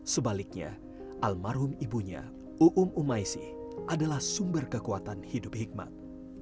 sebaliknya almarhum ibunya uum umaisi adalah sumber kekuatan hidup hikmat